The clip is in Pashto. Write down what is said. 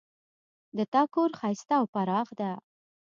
د تا کور ښایسته او پراخ ده